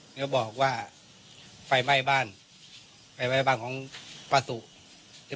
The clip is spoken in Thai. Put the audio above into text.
ก็บอกว่าไฟไหม้บ้านไฟไหม้บ้านของป้าสุ